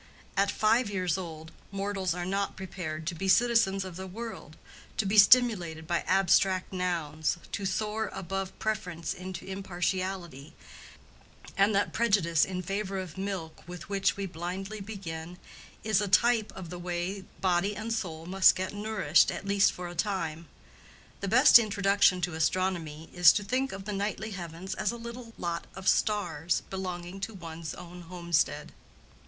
At five years old, mortals are not prepared to be citizens of the world, to be stimulated by abstract nouns, to soar above preference into impartiality; and that prejudice in favor of milk with which we blindly begin, is a type of the way body and soul must get nourished at least for a time. The best introduction to astronomy is to think of the nightly heavens as a little lot of stars belonging to one's own homestead.